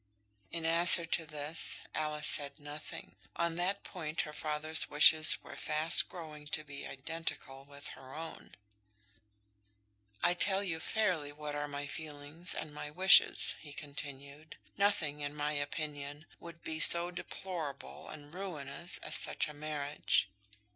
In answer to this, Alice said nothing. On that point her father's wishes were fast growing to be identical with her own. "I tell you fairly what are my feelings and my wishes," he continued. "Nothing, in my opinion, would be so deplorable and ruinous as such a marriage.